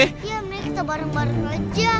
iya may kita bareng bareng aja